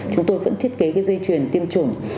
chúng tôi vẫn thiết kế cái dây chuyền tiêm chủng